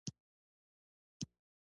د خپلواکۍ په جګړه کې نقش ولوباوه.